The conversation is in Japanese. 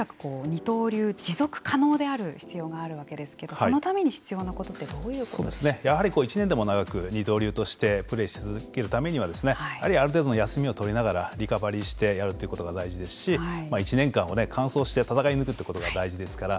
井口さん、とにかく二刀流、持続可能である必要があるわけですけれどもそのために必要なことってやはり１年でも長く二刀流としてプレーし続けるためにはある程度の休みを取りながらリカバリーしてやっていくことが大事ですし１年間完走して戦い抜くということが大事ですから。